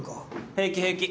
平気平気。